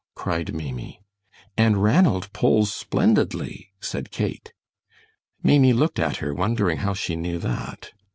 cried Maimie. "And Ranald pulls splendidly," said Kate. Maimie looked at her, wondering how she knew that.